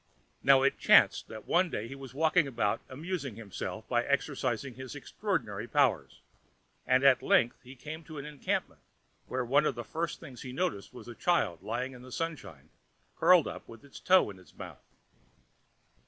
Now, it chanced that one day he was walking about amusing himself by exercising his extraordinary powers, and at length he came to an encampment where one of the first things he noticed was a child lying in the sunshine, curled up with its toe in its mouth.